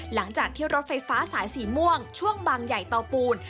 หลังจากที่รถไฟฟ้าสายสีม่วงช่วงบางใหญ่เตาปูน